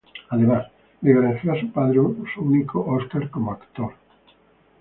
Además, le granjeó a su padre su único Óscar como actor.